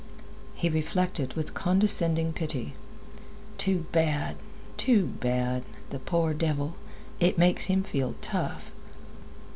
He reflected, with condescending pity: "Too bad! Too bad! The poor devil, it makes him feel tough!"